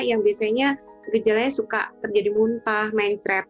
yang biasanya gejalanya suka terjadi muntah meng trap